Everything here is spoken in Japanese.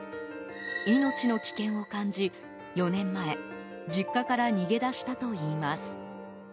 命の危険を感じ、４年前実家から逃げ出したといいます。